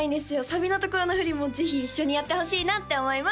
サビのところの振りもぜひ一緒にやってほしいなって思います